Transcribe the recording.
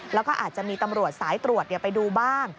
แล้วก็อาจจะมีตำรวจสายตรวจไปดูบ้าง